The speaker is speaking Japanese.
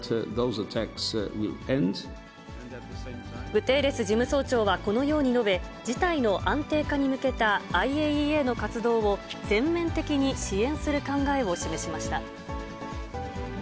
グテーレス事務総長はこのように述べ、事態の安定化に向けたＩＡＥＡの活動を全面的に支援する考えを示しました。